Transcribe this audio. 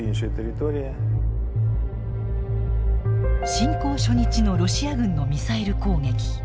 侵攻初日のロシア軍のミサイル攻撃。